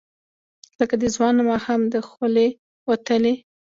لکه د ځوان ماښام، د خولې وتلې،